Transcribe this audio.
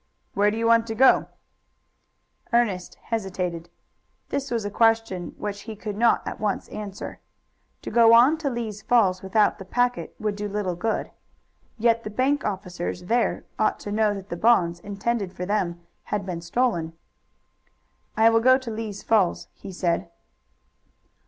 "Where do you want to go?" Ernest hesitated. This was a question which he could not at once answer. To go on to Lee's Falls without the packet would do little good. Yet the bank officers there ought to know that the bonds intended for them had been stolen. "I will go to Lee's Falls," he said.